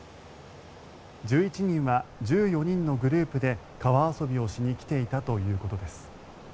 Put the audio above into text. １１人は１４人のグループで川遊びをしに来ていたということです。